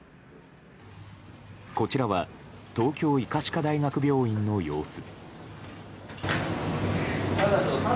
こちらは東京医科歯科大学病院の様子。